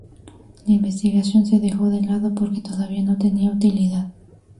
La investigación se dejó de lado porque todavía no tenía utilidad.